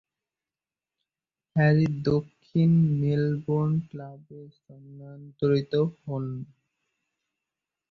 Harry দক্ষিণ Melbourne ক্লাবে স্থানান্তরিত হন।